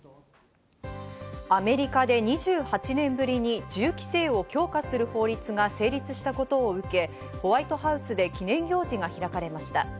アメリカで２８年ぶりに銃規制を強化する法律が成立したことを受け、ホワイトハウスで記念行事が開かれました。